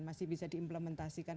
masih bisa diimplementasikan